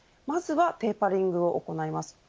まずはテーパリングを行います。